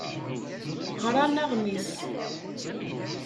Ɣran aɣmis.